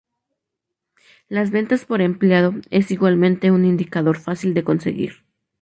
Las "ventas por empleado" es igualmente un indicador fácil de conseguir.